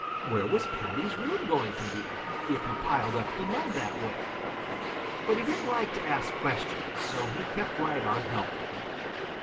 Where was Paddy's room going to be, if he piled up the mud that way? But he didn't like to ask questions, so he kept right on helping.